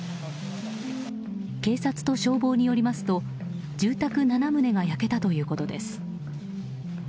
警察と消防によりますと住宅７棟が焼けたということです。